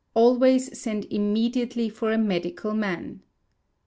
Always send immediately for a Medical Man.